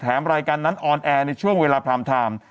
รายการนั้นออนแอร์ในช่วงเวลาพรามไทม์